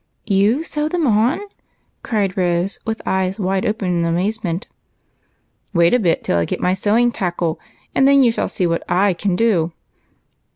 190 EIGHT COUSINS. " You sew them on ?" cried Rose, with her eyes wide oj^en in amazement. " Wait a bit till I get my sewing tackle, and then you shall see what I can do."